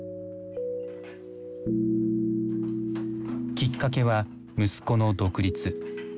きっかけは息子の独立。